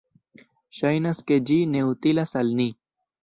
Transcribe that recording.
Ŝajnas ke ĝi ne utilas al ni...